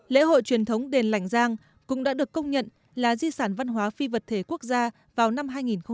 lễ hội truyền thống đền lảnh giang cũng đã được công nhận là di sản văn hóa phi vật thể quốc gia vào năm hai nghìn một mươi